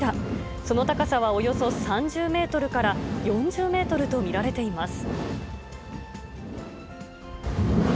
その高さはおよそ３０メートルから４０メートルと見られています。